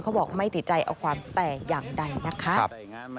บอกไม่ติดใจเอาความแต่อย่างใดนะคะ